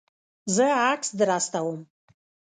زه عکس در استوم